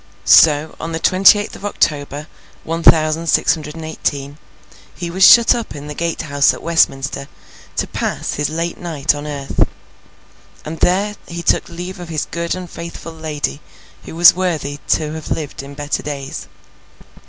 So, on the twenty eighth of October, one thousand six hundred and eighteen, he was shut up in the Gate House at Westminster to pass his late night on earth, and there he took leave of his good and faithful lady who was worthy to have lived in better days.